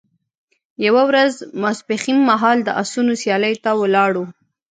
یوه ورځ ماپښین مهال د اسونو سیالیو ته ولاړو.